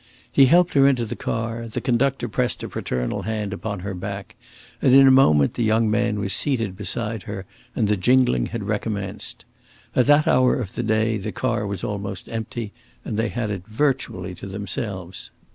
He helped her into the car, the conductor pressed a fraternal hand upon her back, and in a moment the young man was seated beside her, and the jingling had recommenced. At that hour of the day the car was almost empty, and they had it virtually to themselves.